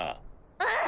うん。